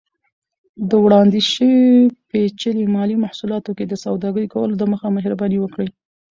د وړاندیز شوي پیچلي مالي محصولاتو کې سوداګرۍ کولو دمخه، مهرباني وکړئ